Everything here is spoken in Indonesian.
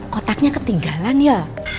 kotaknya ketinggalan ya